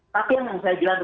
tapi yang saya jelaskan